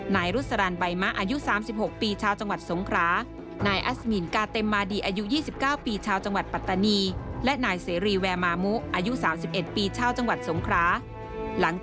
นายรุฟสราญใบมะอายุ๓๖ปีชาวจังหวัดสงคร้า